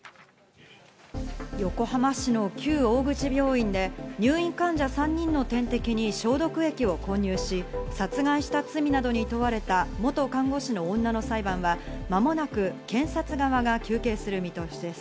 横浜市の旧大口病院で入院患者３人の点滴に消毒液を混入し、殺害した罪などに問われた元看護師の女の裁判は、間もなく検察側が求刑する見通しです。